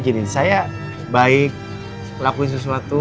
kita buraya waktu tengah hari